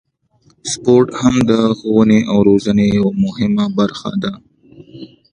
سپورت هم د ښوونې او روزنې یوه مهمه برخه ده.